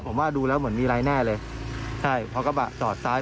ผมว่าดูแล้วเหมือนมีอะไรแน่เลยใช่เพราะกระบะจอดซ้าย